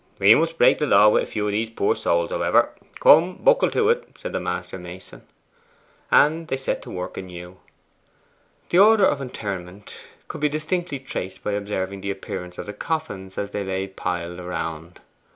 'We must break the law wi' a few of the poor souls, however. Come, buckle to,' said the master mason. And they set to work anew. The order of interment could be distinctly traced by observing the appearance of the coffins as they lay piled around.